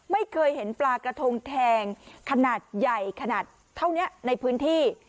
ไม่เคยเห็นปลากระทงแทงขนาดใหญ่ขนาดเท่านี้ในพื้นที่